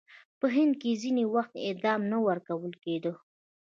په هند کې ځینې وخت اعدام نه ورکول کېده.